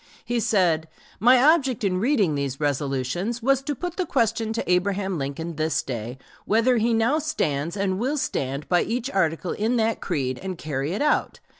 He said: "My object in reading these resolutions was to put the question to Abraham Lincoln this day whether he now stands and will stand by each article in that creed and carry it out....